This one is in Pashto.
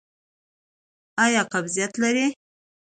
ایا قبضیت لرئ؟